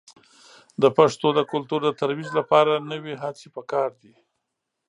د پښتو د کلتور د ترویج لپاره نوې هڅې په کار دي.